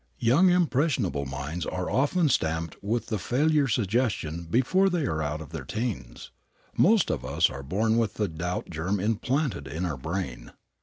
Young impressionable minds are often stamped with the failure suggestion before they are out of their teens. Most of us are born with the doubt germ implanted in our brain.